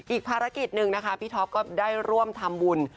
อีกภารกิจหนึ่งนะคะพี่ท็อปก็ได้ร่วมทำบุญ